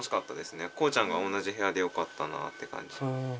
「こうちゃんが同じへやでよかったな」って感じ。